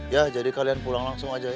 ya jadi kalian pulang langsung aja